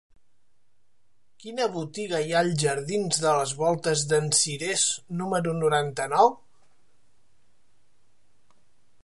Quina botiga hi ha als jardins de les Voltes d'en Cirés número noranta-nou?